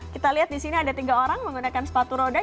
kita lihat di sini ada tiga orang menggunakan sepatu roda